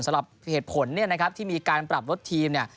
สำหรับเหตุผลที่มีการปรับรถทีม